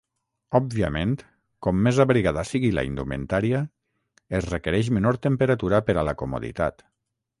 Òbviament, com més abrigada sigui la indumentària, es requereix menor temperatura per a la comoditat.